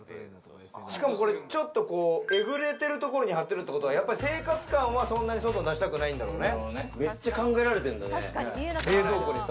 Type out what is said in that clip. ちょっとえぐれてるところに貼ってるってことは、生活感はそんなに外に出したくないんだろうね。